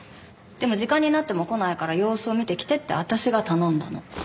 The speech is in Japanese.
でも時間になっても来ないから様子を見てきてって私が頼んだの。